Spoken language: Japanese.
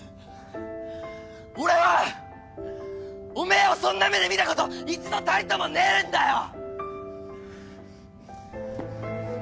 俺はおめえをそんな目で見たこと一度たりともねえんだよ！